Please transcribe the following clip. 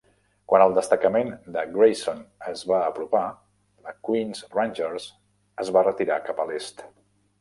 Quan el destacament de Grayson es va apropar, la Queen's Rangers es va retirar cap a l'est.